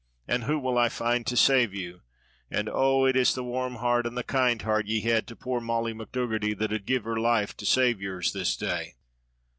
an' who will I find to save you? an' oh, it is the warm heart and the kind heart ye had to poor Molly McDogherty that ud give her life to save yours this day."